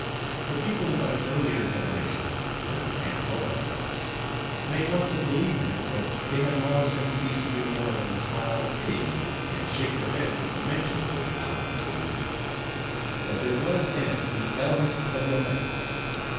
The people of an earlier generation her Aunt Laura perhaps may once have believed in it, but they had long since ceased to do more than smile pityingly and shake their heads at the mention of old Malcolm's delusion. But there was in it the element of romance.